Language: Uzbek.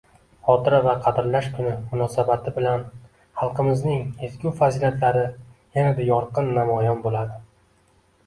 Xotira va qadrlash kuni munosabati bilan xalqimizning ezgu fazilatlari yanada yorqin namoyon bo'ladi